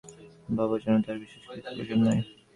তাহার এমন একটি উদাসীন ভাব, যেন তাহার বিশেষ কিছুতে প্রয়োজন নাই।